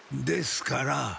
ですから。